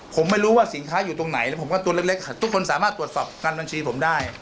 ผมไม่รู้ว่าสินค้าอยู่ตรงไหนแล้วผมก็ตัวเล็กทุกคนสามารถตรวจสอบการบัญชีผมได้